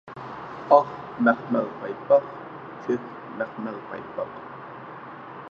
ئاق مەخمەل پايپاق، كۆك مەخمەل پايپاق.